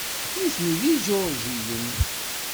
Nitni d Ijuṛjiyen.